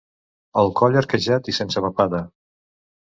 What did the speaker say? El coll arquejat i sense papada.